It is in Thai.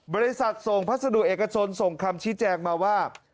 บริษัทส่งพัสดุเอกชนส่งคำชี้แจงมาว่า